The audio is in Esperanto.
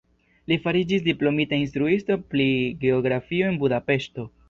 Li fariĝis diplomita instruisto pri geografio en Budapeŝto.